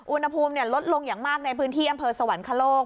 อุณหภูมิลดลงอย่างมากในพื้นที่อำเภอสวรรคโลก